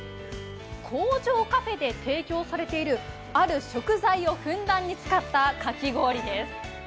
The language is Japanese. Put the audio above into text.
工場カフェで提供されているある食材をふんだんに使ったかき氷です。